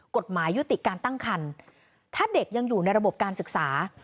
กฎหมายยุติการตั้งคันถ้าเด็กยังอยู่ในระบบการศึกษา